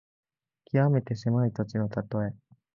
きわめて狭い土地のたとえ。